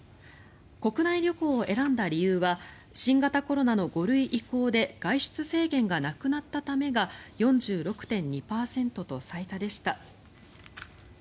国内旅行を選んだ理由は新型コロナの５類移行で外出制限がなくなったためが４６．２％と最多でした。